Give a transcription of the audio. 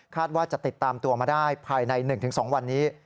ว่าจะติดตามตัวมาได้ภายใน๑๒วันนี้